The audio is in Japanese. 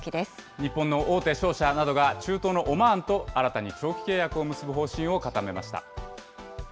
日本の大手商社などが、中東のオマーンと新たに長期契約を結ぶ方針を固めました。